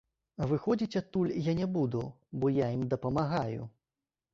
А выходзіць адтуль я не буду, бо я ім дапамагаю.